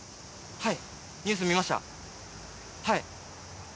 はい。